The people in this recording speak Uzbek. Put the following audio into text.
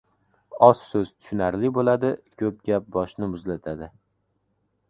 • Oz so‘z — tushunarli bo‘ladi, ko‘p gap — boshni muzlatadi.